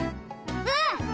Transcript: うん！